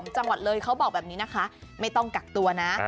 จังหวัดเลยเขาบอกแบบนี้นะคะไม่ต้องกักตัวนะ